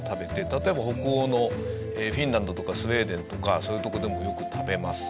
例えば北欧のフィンランドとかスウェーデンとかそういうとこでもよく食べます。